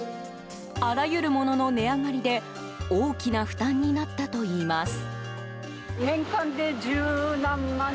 あらゆるものの値上がりで大きな負担になったといいます。